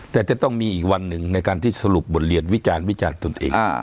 แต่จะต้องมีอีกวันหนึ่งในการที่สรุปบทเรียนวิจารณ์วิจารณ์ตนเอง